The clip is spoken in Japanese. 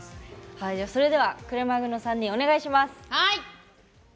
それでは、くれまぐの３人お願いします。